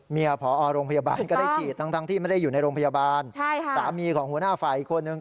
เมียผอโรงพยาบาลก็ได้ฉีดตั้งทั้งที่ไม่ได้อยู่ในโรงพยาบาล